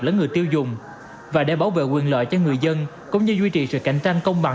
lẫn người tiêu dùng và để bảo vệ quyền lợi cho người dân cũng như duy trì sự cạnh tranh công bằng